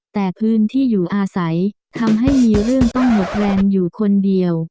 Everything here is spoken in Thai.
แต่พื้นที่อยู่อาศัยทำให้มีเรื่องต้องหมดแรงอยู่คนเดียว